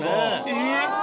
えっ！